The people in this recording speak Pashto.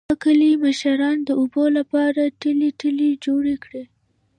د کلي مشرانو د اوبو لپاره ټلۍ ټلۍ جوړې کړې